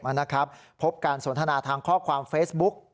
นะครับพบการสนทนาทางข้อความเฟซบุ๊ก